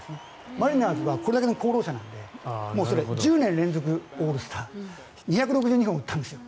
マリナーズはこれだけの功労者なので１０年連続オールスター２６２本打ったんです。